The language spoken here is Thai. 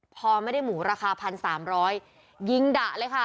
พอไม่ได้หมูราคา๑๓๐๐ยิงดะเลยค่ะ